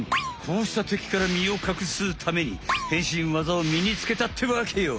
こうしたてきからみをかくすために変身わざをみにつけたってわけよ。